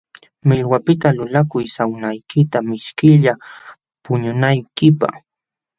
Millwapiqta lulakuy sawnaykita mishkilla puñunaykipaq.